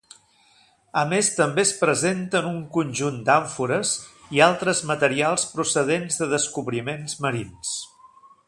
A més també es presenten un conjunt d'àmfores i altres materials procedents de descobriments submarins.